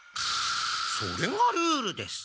それがルールです！